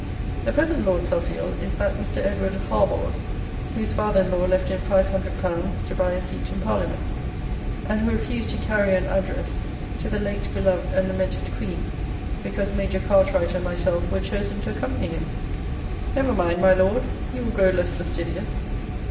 The present LORD SUFFIELD is that Mr. EDWARD HARBORD, whose father in law left him 500_l._ to buy a seat in Parliament, and who refused to carry an address to the late beloved and lamented Queen, because Major Cartwright and myself were chosen to accompany him! Never mind, my Lord; you will grow less fastidious!